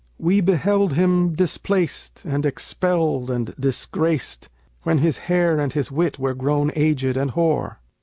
We beheld him displaced, and expelled and disgraced, When his hair and his wit were grown aged and hoar.